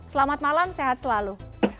selamat malam sehat selalu